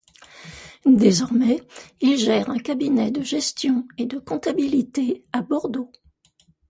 Désormais, il gère un cabinet de gestion et de comptabilité à Bordeaux.